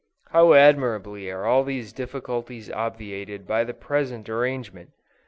How admirably are all these difficulties obviated by the present arrangement!